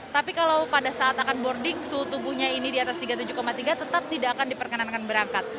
tapi kalau pada saat akan boarding suhu tubuhnya ini di atas tiga puluh tujuh tiga tetap tidak akan diperkenankan berangkat